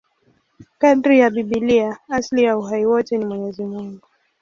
Kadiri ya Biblia, asili ya uhai wote ni Mwenyezi Mungu.